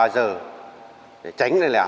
để tránh lẽ lẽ